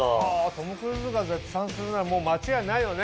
トム・クルーズが絶賛するならもう間違いないよね。